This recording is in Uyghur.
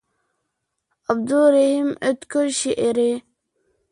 ئابدۇرېھىم ئۆتكۈر شېئىرى.